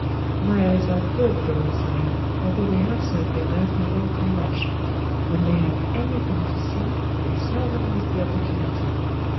"My eyes are good, though, sire, although they have served their master long and much: when they have anything to see, they seldom miss the opportunity.